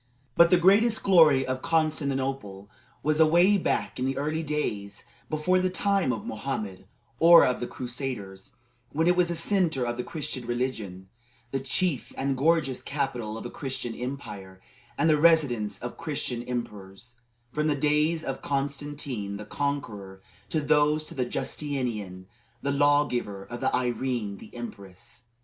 But the greatest glory of Constantinople was away back in the early days before the time of Mohammed, or of the Crusaders, when it was the centre of the Christian religion, the chief and gorgeous capital of a Christian empire, and the residence of Christian emperors, from the days of Constantine the conqueror to those of Justinian the law giver and of Irene the empress.